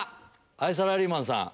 サラリーマンさん。